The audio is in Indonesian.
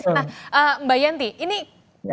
mbak yanti ini kalau misalkan pindah adanya